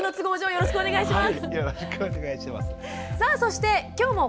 よろしくお願いします。